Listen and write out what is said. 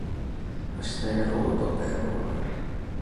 明日やろうはバカやろう